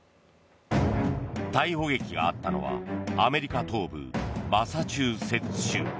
逮捕劇があったのはアメリカ東部マサチューセッツ州。